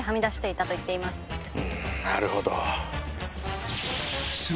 うんなるほど。